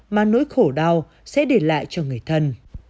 mà nỗi khổ đau sẽ để lại cho người thân